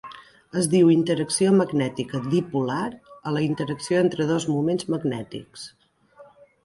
Es diu interacció magnètica dipolar a la interacció entre dos moments magnètics.